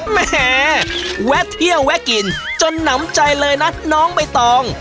แหมแวะเที่ยวแวะกินจนหนำใจเลยนะน้องใบตอง